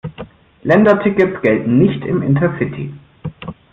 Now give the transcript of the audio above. Ländertickets gelten nicht im Intercity.